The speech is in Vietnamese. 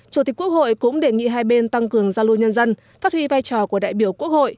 chủ tịch quốc hội cũng đề nghị hai bên tăng cường giao lưu nhân dân phát huy vai trò của đại biểu quốc hội